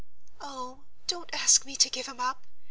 "Oh, don't ask me to give him up!"